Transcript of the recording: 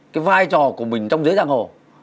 cái vai trò của mình trong giới giang hồ